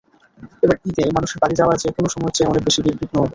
এবার ঈদে মানুষের বাড়ি যাওয়া যেকোনো সময়ের চেয়ে অনেক বেশি নির্বিঘ্ন হবে।